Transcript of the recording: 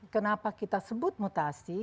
kenapa kita sebut mutasi